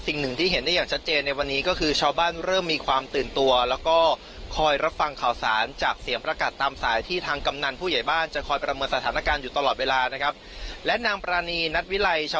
สิ่งหนึ่งที่เห็นได้อย่างชัดเจนในวันนี้ก็คือชาวบ้านเริ่มมีความตื่นตัว